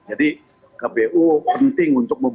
jadi kpu penting untuk membuka